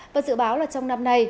và dự báo là trong năm nay